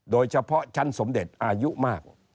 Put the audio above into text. โดยเฉพาะชั้นสมเด็จอายุมาก